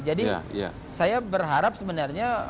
jadi saya berharap sebenarnya